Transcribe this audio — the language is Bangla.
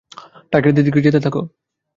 টার্গেটের দিকে যেতে থাকো।